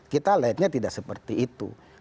kita lihatnya tidak seperti itu